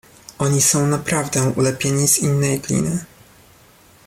"Oni są naprawdę ulepieni z innej gliny“..."